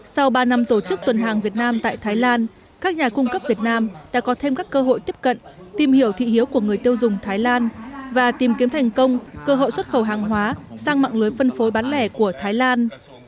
sau ba năm tổ chức tuần hàng việt nam tại thái lan các nhà cung cấp việt nam đã có thêm các cơ hội tiếp cận tìm hiểu thị hiếu của người tiêu dùng thái lan và tìm kiếm thành công cơ hội xuất khẩu hàng hóa sang mạng lưới phân phối bán lẻ của thái lan